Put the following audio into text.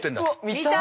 見たい。